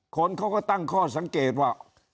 คนเขาก็ตั้งข้อสังเกตว่า